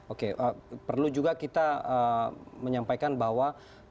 oke perlu juga kita menyampaikan bahwa